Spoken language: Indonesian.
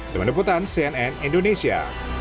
teman teman cnn indonesia